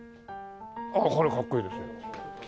ああこれかっこいいですよ。